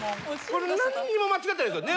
これ何にも間違ってないですよ。